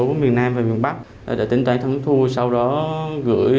của miền nam và miền bắc tính toán thắng thu sau đó gửi